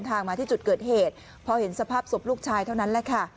มาที่จุดเกิดเหตุพอเห็นสภาพศพลูกชายเท่านั้นแหละค่ะ